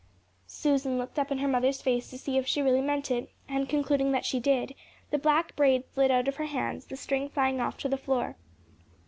Susan looked up in her mother's face to see if she really meant it, and concluding that she did, the black braid slid out of her hands, the string flying off to the floor.